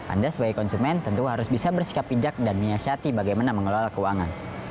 anda sebagai konsumen tentu harus bisa bersikap bijak dan menyiasati bagaimana mengelola keuangan